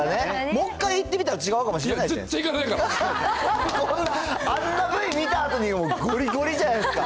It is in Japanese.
もう一回行ってみたら違うかもしれないじゃないですか。